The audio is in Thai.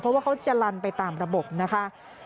เพราะว่าเขาจะลันไปตามระบบนะคะ